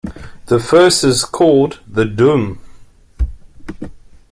The first is called the "doum".